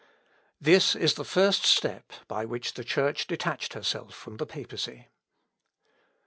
This is the first step by which the Church detached herself from the papacy.